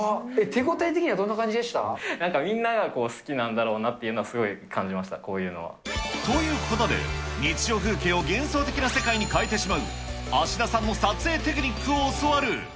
手応え的にはどんな感じでなんかみんなが好きなんだろうなっていうのはすごい感じました、こういうのは。ということで、日常風景を幻想的な世界に変えてしまう芦田さんの撮影テクニックを教わる。